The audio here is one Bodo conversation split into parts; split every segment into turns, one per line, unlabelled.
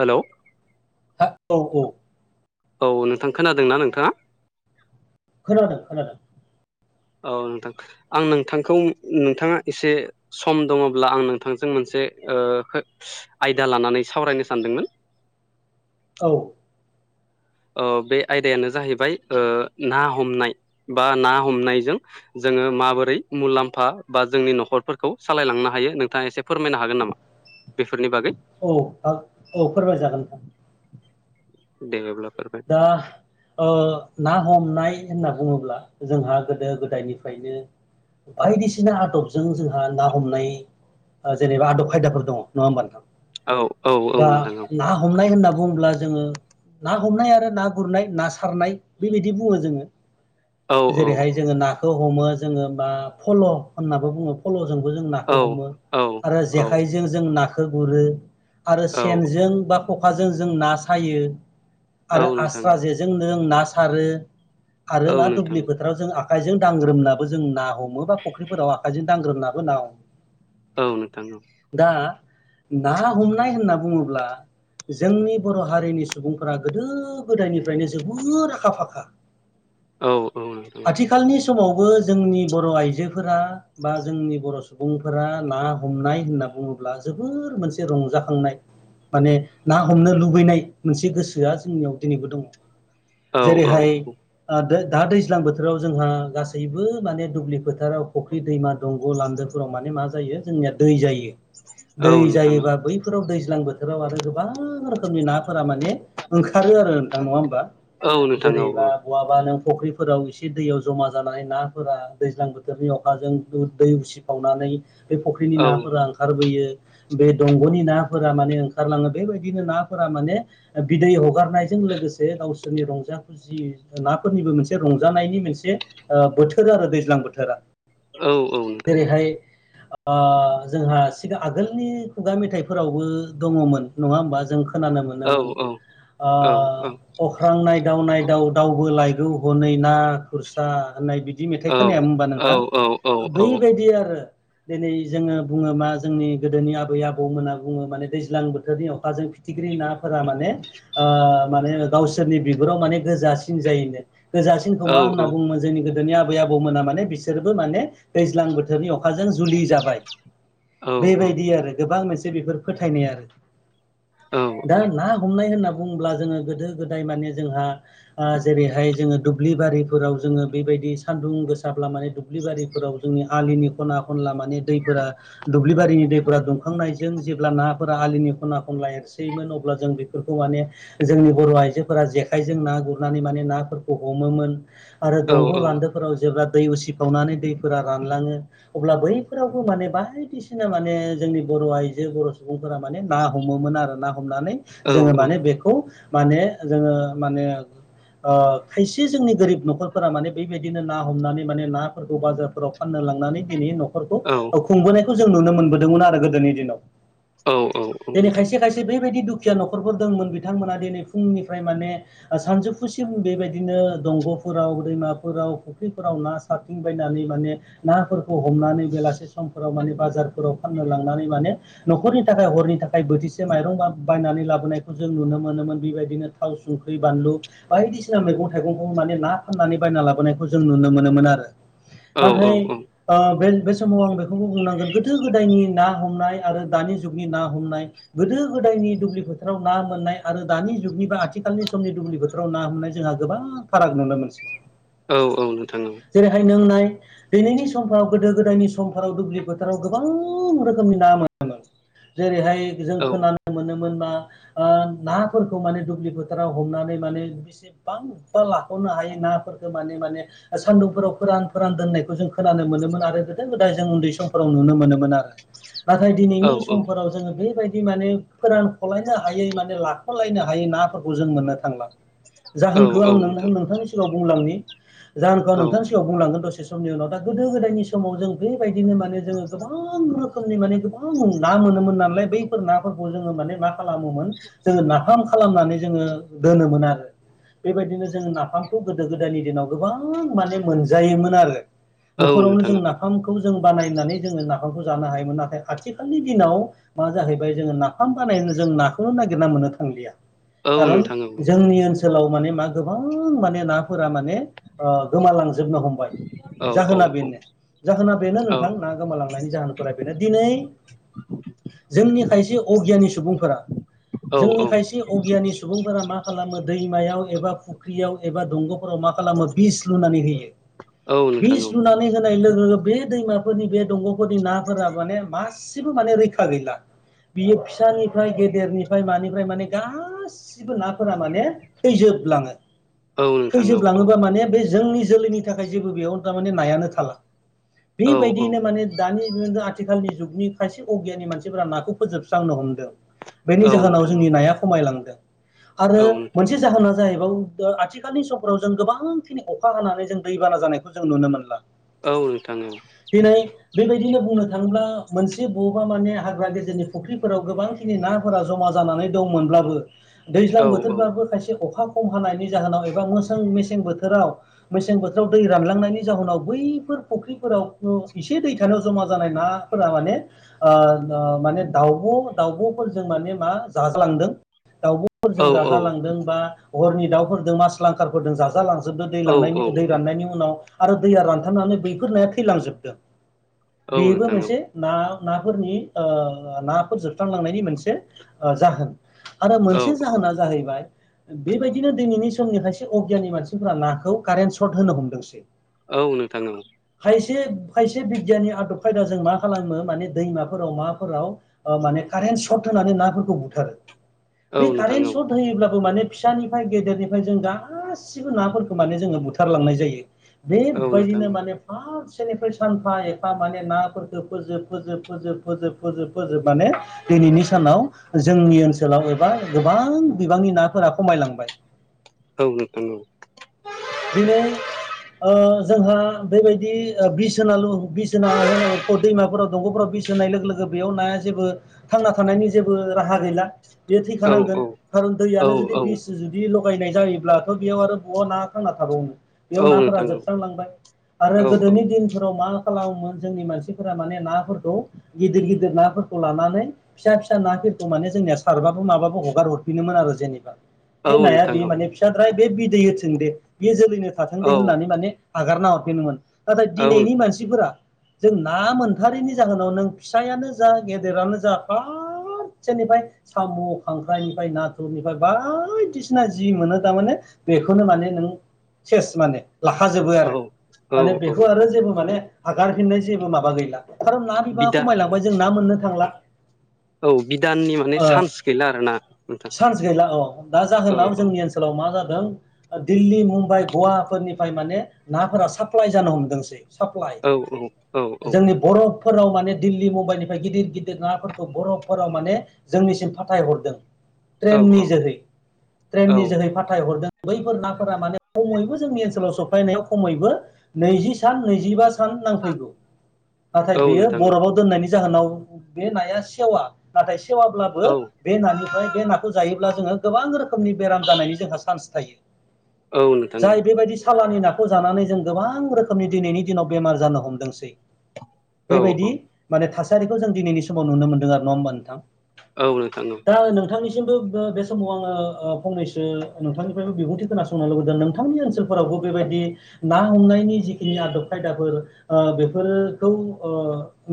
हेलौ
अ औ औ
औ नोंथां खोनादोंना नोंथाङा?
खोनादों खोनादों ।
औ नोंथां आं नोंथांखौ नोंथाङा एसे सम दङब्ला आं नोंथांजों मोनसे ओ खोथ-आयदा लानानै सावरायनो सानदोंमोन ।
औ
ओ बे आयदायानो जाहैबाय ओ ना हमनाय बा ना हमनायजों जों जोङो माबोरै मुलाम्फा बा जोंनि न'खरफोरखौ सालायलांनो हायो नोंथाङा एसे फोरमायनो हागोन नामा बेफोरनि बागै
औ औ फोरमायजागोन नोंथां
। देभबब्लाप [unintelligible]
दा ओ ना हमनाय होनना बुङोब्ला जोंहा गोदो गोदायनिफ्रायनो बायदिसिना आदबजों जोंहा ना हमनाय ओ जेनेबा आदब खायदाफोर दङ नङा होमबा नोंथां
औ औ औ
दा
नोंथां औ
ना हमनाय होनना बुंब्ला जोङो ना हमनाय आरो ना गुरनाय ना सारनाय बेबायदि बुङो जोङो
औ
। जेरैहाय जोङो नाखौ हमो जोङो बा फल' होननानै बुङो फल' जों जों
औ
नाखौ हमो
औ
आरो
औ
जेखाइजों जों नाखौ गुरो । आरो
औ
सेनजों बा ख'खाजों जों ना सायो ।
औ
आरो
नोंथां
आस्रा जेजों नों ना सारो आरो
औ
ना
नोंथां
दुब्लि फोथाराव जों आ खाइजों दांग्रोमनाबो जों ना हमो बा फुख्रिफोराव आखाइजों दांग्रोमनाबो ना हमो ।
औ नोंथां औ
हो ना हमनाय होनना बुङोब्ला जोंनि बर' हारिनि सुबुंफ्रा गोदो गोदायनिफ्रायनो जोबोर आखा फाखा
औ औ नोंथां
आथिखालनि बे समावबो जोंनि बर' आइजोफोरा बा जोंनि बर' सुबुंफोरा ना हमनाय होनना बुङोब्ला जोबोर मोनसे रंजाखांनाय माने ना हमनो लुबैनाय मोनसे गोसो जोंनियाव दिनैबो दङ
औ औ
जेरैहाय ओ दो दा दैज्लां बोथोराव जोंहा गासैबो माने दुब्लि फोथाराव फख्रि दैमा दंग' लान्दोफोराव माने मा जायो जोंनिया दै जायो।
औ
दै
नोंथां
जायोबा बैफोराव दैज्लां बोथोराव आरो गोबां रोखोमनि नाफोरा माने ओंखारो आरो नोंथां नङा होमबा
औ नोंथां औ
जेरैबा बहाबा नों फख्रिफोराव एसे दैयाव जमा जानानै नाफोरा दैज्लां बोथोरनि अखाजों दै उसिफावनानै बे फख्रिनि
औ
नाफोरा ओंखारबोयो। बे दंग'नि नाफोरा माने ओंखारलाङो बेबायदिनो नाफोरा माने बिदै हगारनायजों लोगोसे गावसोरनि रंजा खुसि नाफोरनिबो मोनसे रंजानायनि मोनसे बोथोर आरो दैज्लां बोथोरा।
औ औ नोंथां औ।
ओह जोंहा सिगां आगोलनि खुगा मेथाइफोरावबो दङमोन नङा होमबा जों खोनानो
औ
मोनोमोन
औ औ
ओ अख्रांनाय दाव नायदाव दावबो लायगौ हनै ना खुरसा होननाय बिदि मेथाइ खोनाया होनबा
औ
नोंथां
औ औ
बैबायदि आरो। दिनै जोङो बुङो मा जोंनि गोदोनि आबै आबौमोना बुङो माने दैज्लां बोथोरनि अखाजों फिथि ख्रि नाफोरा माने ओ माने गावसोरनि बिगुराव माने गोजा‌ सिन जायोनो गोजा सिनखौ
औ
मा होनना बुङोमो जोंनि गोदो जोंनि आबै आबौमोना माने बिसोरबो माने दैज्लां बोथोरनि अखाजों जुलि जाबाय। बेबायदि आरो गोबां मोनसे बेफोर फोथायनाय आरो दा ना हमनाय होनना बुङोब्ला जोङो गोदो गोदाय माने जोंहा ओ जेरैहाय जोङो दुब्लि बारिफोराव जोङो बेबायदि सान्दुं गोसाब्ला माने दुब्लिबारिफोराव जोंनि आलिनि खना खनला माने दैफोरा दुब्लिबारिनि दैफोरा दुंखांनायजों जेब्ला नाफोरा आलिनि खना खनला एरसोयोमोन अब्ला जों बे फोरखौ माने जोंनि बर' आइजोफोरा जेखाइजों ना गुरनानै माने नाफोरखौ हमोमोन। आरो दंग' लान्दोफोराव जेब्ला दै उसिफावनानै दै फोरा रानलाङो अब्ला बैफोरावबो माने बायदिसिना माने जोंनि बर' आइजो बर' सुबुं फोरा माने ना हमोमोन आरो ना हमनानै
औ
जोङो माने बेखौ माने जोङो माने ओ खायसे जोंनि गोरिब न'खरफोरा माने बेबायदिनो ना हमनानै माने नाफोरखौ बाजारफोराव फाननो लांनानै दिनै न'खरखौ खुंबोनायखौ जों नुनो मोनबोदोंमोन आरो गोदोनि दिनाव। दिनै खायसे खायसे बेबायदि दुखु खिया न'खरफोर दंमोन बिथांमोना दिनै फुंनिफ्राय माने सानजौफुसिम बेबायदिनो दंग' फोराव दैमाफोराव फुख्रिफोराव ना सारथिंबायनानै माने नाफोर खौ हमनानै बेलासे समफोराव माने बाजारफोराव फाननो लांनानै माने न'खरनि थाखाय हरनि थाखाय बोथिसे माइरं बा बायनानै लाबोनायखौ जों नुनो मोनोमोन बेबायदिनो थाव संख्रि बानलु बायदिसिना मैगं थाइगंखौ माने ना फाननानै बायना लाबोनायखौ जों नुनो मोनोमोन आरो
औ
नाथाय
नोंथां औ नोंथां औ
ओ बे बे समाव आं बेखौबो बुंनांगोन गोदो गोदायनि ना हमनाय आरो दानि जुगनि ना हमनाय गोदो गोदायनि दुब्लि फोथाराव ना मोननाय आरो दानि जुगनि बा आथिखालनि समनि दुब्लि फोथाराव ना मोननाय जोंहा गोबां फाराग नुनो मोनसै।
औ औ नोंथां औ।
जेरैहाय नों नाय दिनैनि समफ्राव गोदो गोदायनि समफोराव दुब्लि फोथाराव गोबां रोखोमनि ना मोनोमोन। जेरैहाय जों खोनानो मोनोमोन ओ नाफोरखौ माने दुब्लि फोथाराव हमनानै माने बेसेबांबा लाख' हायो नाफोरखौ माने माने सान्दुंफोराव फोरान फोरान दोननायखौ जों खोनानो मोनोमोन आरो गोदो गोदाय जों उन्दै समफोराव नुनो मोनोमोन आरो नाथाय दिनैनि समफोराव जोङो बेबायदि माने फोरानख'लायनो हायै माने लाख'लायनो हायै नाफोरखौ जों मोननो थांला जाहोनखौ आं नों नोंथांनि सिगाङाव बुंलांनि जाहोनखौ आं नोंथांनि सिगाङाव बुंलांगोन दसे समनि उनाव दा गोदो गोदायनि समाव जों बेबायदिनो माने जोङो गोबां रोखोमनि माने गोबां गो ना मोनोमोन नालाय बैफोर नाफोरखौ जोङो माने मा खालामोमोन जोङो नाफाम खालामनानै जोङो दोनोमोन आरो बेबायदिनो जोङो नाफामखौ गोदो गोदायनि दिनाव गोबां माने मोनजायोमोन आरो
औ नोंथां औ
न'खरावनो जों नाफाम खौ जों बानायनानै जोङो नाफामखौ जानो हायोमोन नाथाय आथिखालनि दिनाव मा जाहैबाय जोङो ना नाफाम बानायनो जों नाखौनो नागिरना मोननो थांलिया खारन
नोंथां औ नोंथां औ नोंथां औ नोंथां औ
जोंनि ओनसोलाव माने मा गोबां माने नाफोरा माने ओ गोमालांजोबनो हमबाय जाहोना बेनो जाहोना बेनो नोंथां ना गोमालांनायनि जाहोनफोरा बेनो दिनै जोंनि खायसे अगियानि सुबुंफोरा जोंनि खायसे अगियानि सुबुंफोरा मा खालामो दैमा याव एबा फुख्रियाव एबा दंग'फोराव मा खालामो बिस लुनानै होयो बिस लुनानै होनाय लोगो लोगो बे दैमाफोरनि बे दंग'फोरनि नाफोरा माने मासेबो माने रैखा गैला बियो फिसानिफ्राय गेदेरनिफ्राय मानिफ्राय माने गासै नाफोरा माने थैजोबलाङो थैजोबलाङोबा माने बे जोंनि जोलैनि थाखाय जेबो बेयाव थारमाने नायानो थाला बेबायदियैनो माने दानि आथिखालनि जुगनि खायसे अगियाननि मानसिफोरा नाखौ फोजोबस्रांनो हमदों बेनि जाहोनाव जोंनि
नोंथां
नाया खमायलांदों आरो
औ नोंथां
मोनसे जाहोनाव जाहैबायाव आथिखालनि समफ्राव जों गोबांखिनि अखा हानानै जों दैबाना जानायखौ जों नुनो मोनला
औ नोंथां
दिनै बेबायदिनो बुंनो थाङोब्ला मोनसे बबेबा माने हाग्रा गेजेरनि फुख्रिफोराव गोबांखिनि नाफोरा जमा जानानै दंमोनब्लाबो दैज्लां
औ
बोथोरबाबो खायसे अखा खम हानायनि जाहोनाव एबा मोसों मेसें बोथोराव मेसें बोथोराव दै रानलांनायनि जाहोनाव बैफोर फुख्रिफोराव इसे दै थानायाव जमा जानाय नाफोरा माने ओ ओ माने दाउब' दाउब'फोर जों माने मा जाजालांदों दाउब'फोर
औ
जों जाजालांदों बा हरनि दाउफोरजों मास लांखारफोरदों जाजालांजोबदों दै
औ
लांनायनि
औ
दै राननायनि उनाव आरो दैया रानथाबनानै बैफोर नाया थैलांजोबदों
औ
बेबो
नोंथां औ
मोनसे ना नाफोरनि ओ नाफोर जोबस्रांलांनायनि मोनसे ओ जाहोन आरो
औ
मोनसे जाहोना जाहैबाय बेबायदिनो दिनैनि समनि खायसे अगियाननि मानसिफोरारा नाखौ कारेन्ट सर्ट होनो हमदोंसै
औ नोंथां
खायसे खायसे बिगियाननि आदब खायदा जों मा खालामो माने दैमाफोराव माफोराव माने कारेन्ट सर्ट होनानै नाफोरखौ बुथारो।
औ
बे
नोंथां
कारेन्ट
औ
सर्ट होयोब्लाबो माने फिसानिफ्राय गेदेरनिफ्राय जों गासिबो नाफोरखौ माने जोङो बुथारलांनाय जायो।
औ नोंथां
बेबायदिनो माने फार्स्ट सेनिफ्राय सानफा एफा माने नाफोरखौ फोजोब फोजोब फोजोब फोजोब फोजोब फोजोबनानै दिनैनि सानाव जोंनि ओनसोलाव एबा गोबां बिबांनि नाफोरा खमाय लांबाय।
[unintelligible]
दिनै ओ जोंहा बेबायदि बिस होनाल' बिस होना दैमाफोराव दंग'फोराव बिस होनाय लोगो लोगो बेयाव नाया जेबो थांना थानायनि जेबो राहा गैला। बेयो
औ
थैखानांगोन, खारन
औ
दैयानो जुदि बिस जुदि लगायनाय जायोब्लाथ' बेयाव आरो [unintelligible] ना थांना थाबावनो। बेयाव
औ
नाफोरा
नोंथां औ
जोबस्रांलांबाय। आरो
औ
गोदोनि दिनफोराव मा खालामोमोन जोंनि मानसिफोरा माने नाफोरखौ गिदिर गिदिर नाफोरखौ लानानै फिसा फिसा ना माने जोंनिया सारबाबो माबो हगार हरफिनोमोन आरो जेनेबा।
औ
बे नाया
नोंथां औ
बे माने फिसाद्राय बे बिदै होथों दे बे जोलैनो
औ
थाथों दे होननानै माने हागारना हरफिनोमोन। नाथाय
औ
दिनैनि मानसिफोरा जों ना मोनथारैनि जाहोनाव नों फिसायानो जा गेदेरानो जा [unintelligible] सेनिफ्राय साम' खांख्राइनिफ्राय नाथुरनिफ्राय बायदिसिना जि मोनो थारमाने बेखौ खौनो माने नों सेस माने लाखाजोबो आरो
औ
माने
औ
बेखौ
औ
आरो जेबो माने हागारफिननो जेबो माबा गैला। खारन ना बिबाङा
बिदा
खमायलांबाय जों ना मोननो थांला।
[unintelligible] बिदाननि माने
ओ
चान्स गैला आरोना नोंथां
चान्स गैला औ दा
औ
जाहोनाव जोंनि ओनसोलाव मा जादों दिल्ली मुम्बाइ गवाफोरनिफ्राय माने नाफोरा साप्लाइ जानो हमदोंसै‌‌। साप्लाइ,
औ औ औ
जोंनि बर' फोराव माने दिल्ली मुम्बाइनिफ्राय गिदिर गिदिर नाफोरखौ बरफफोराव माने जोंनिसिम फाथायहरदों।
औ
ट्रेननि जोहै,
औ
ट्रेननि जोहै फाथायहरदों। बैफोर नाफोरा माने खमैबो जोंनि ओनसोलाव सफैनायाव खमैबो नैजि सान नैजिबा नांफैगौ। नाथाय
औ
बेयो
नोंथां औ
बरफाव दोननायनि जाहोनाव बे नाया सेवा, नाथाय सेवाब्लाबो
औ
बे नफ्राय बे नाखौ जायो ब्ला जोङो गोबां रोखोमनि बेराम जानायनि जोंहा चान्स थायो।
औ नोंथां औ।
जाय बेबायदि सालानि नाखौ जानानै जों गोबां रोखोमनि दिनैनि दिनाव बेमार जानो हमदोंसै।
औ
बेबायदि
औ
माने थासारिखौ जों दिनैनि समाव नुनो मोनदों आरो नङा होमबा नोंथां।
औनो नोंथां औ।
दा नोंथांनिसिमबो बे समाव आङो फंनैसो नोंथांनि बिबुंथि खोनासंनो लुबैदों नोंथांनि ओनसोलफोरावबो बेबायदि ना हमनायनि जिखिनि आदब खायदाफोर बेफोरखौ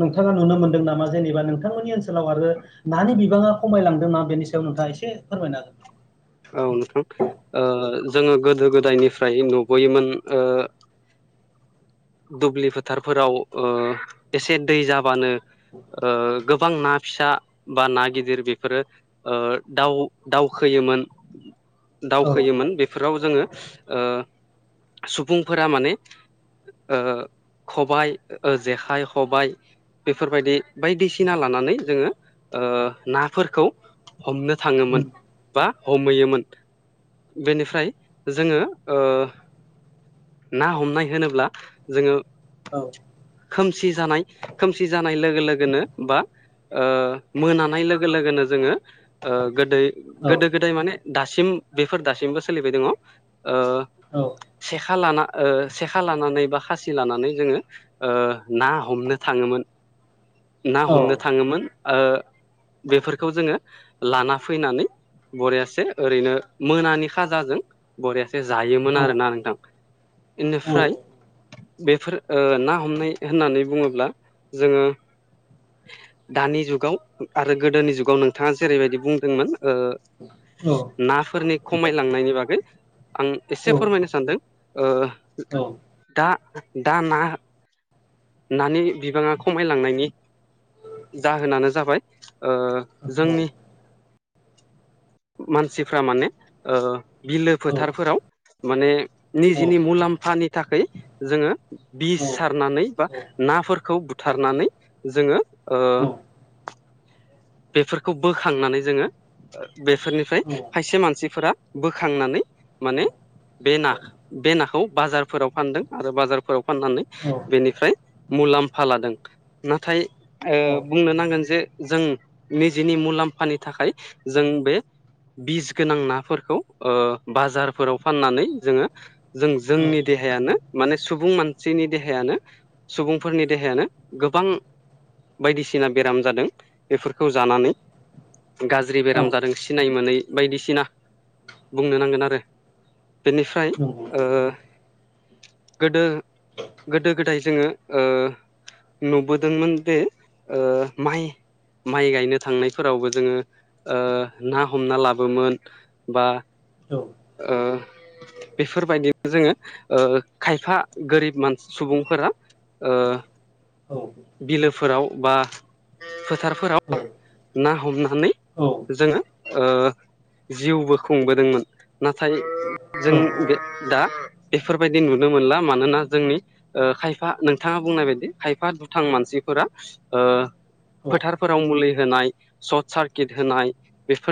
नोंथाङा नुनो मोनदों नामा जेनेबा नोंथांमोननि ओनसोलाव आरो नानि बिबाङा खमायलांदों ना बेनि सायाव नोंथाङा एसे फोरमायनो हागोन।
औ नोंथां। जोङो गोदो गोदायनिफ्राय न बयोमोन ओ दुब्लि फोथारफोराव ओ एसे दै जाबानो ओ गोबां ना फिसा बा ना गिदिर बेफोरो ओ दाव दावखोयो योमोन
हागोन
दावखोयोमोन बेफोराव जोङो ओ सुबुंफोरा माने ओ खबाय जेखाइ खबाय बेफोरबायदि बायदिसिना लानानै जोङो ओ नाफोरखौ हमनो थाङोमोन, बा हमहैयोमोन। बेनिफ्राय जोङो ओ ना हमनाय होनोब्ला जोङो
औ।
खोमसि जानाय खोमसि जानाय लोगो लोगोनो बा मोनानाय लोगो लोगोनो जोङो गोदै
औ
गोदो गोदाय माने दासिम बेफोर दासिमबो सोलिबाय दङ
औ
सेखा लाना सेखा लानानै बा खासि लानानै जोङो ना हमनो थाङोमोन ना
औ
हमनो थाङोमोन बेफोरखौ जोङो लाना फैनानै बरियासे ओरैनो मोनानि खाजाजों बरियासे जायोमोन आरोोना नोंथां बेनिफ्राय बेफोर ना हमनाय होननानै बुङोब्ला जोङो दानि जुगाव आरो गोदोनि जुगाव नोंथाङा जेरैबायदि बुंदोंमोन नाफोरनि खमायलांनायनि बागै आं
औ औ
एसे फोरमायनो सानदों
औ औ
दा दा ना नानि बिबाङा खमायलांनायनि जाहोनानो जाबाय ओ
औ
जोंनि मानसिफ्रा माने ओ बिलो फोथारफोराव माने निजिनि मुलाम्फानि थाखाय जोङो बि सारनानै बा नाफोरखौ बुथारनानै जोङो ओ बेफोरखौ बोखांनानै जोङो बेफोरनिफ्राय खायसे मानसिफोरा बोखांनानै माने बे ना बे नाखौ बाजारफोराव फानदों आरो बाजारफोराव फाननानै बेनिफ्राय मुलाम्फा लादों नाथाय
औ औ
बुंनो नांगोन जे जों निजिनि मुलाम्फानि थाखाय जों बे बिस गोनां नाफोरखौ ओ बाजारफोराव फाननानै जोङो जों
औ
जोंनि दे हायानो माने सुबुं मानसिनि देहायानो सुबुंफोरनि देहायानो गोबां बायदिसिना बेराम जादों बेफो रखौ जानानै गाज्रि
औ
बेराम जादों सिनाय मोनै बायदिसिना बुंनो नांगोन आरो बेनिफ्राय
नंगौ
ओ गोदो गोदो गोदाय जोङो ओ नुबोदोंमोन बे ओ माइ माइ गायनो थांनायफोरावबो जोङो ओ ना हमना लाबोन बा
नंगौ
ओ बेफोरबायदिनो जोङो ओ खायफा गोरिब मानसि सुबुं फ्रा ओ
औ
बिलोफोराव बा फोथारफोराव
औ
ना हमनानै
औ
जोङो ओ जिउबो खुंबोदोंमोन नाथाय जों
औ
बे दा बेफोरबायदि नुनो मोनला मानोना जोंनि खायफा नोंथाङा बुंनाय बायदि खायफा दुथां मानसि बेफोरा ओ
औ
फोराव मुलि होनाय सार सारखिथ होन बेफोर